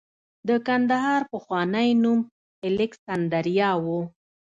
د کندهار پخوانی نوم الکسندریا و